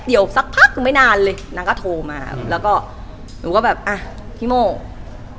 เหมือนนางก็เริ่มรู้แล้วเหมือนนางก็โทรมาเหมือนนางก็เริ่มรู้แล้ว